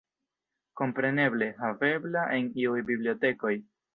Kompreneble havebla en iuj bibliotekoj.